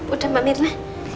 udah mbak mirna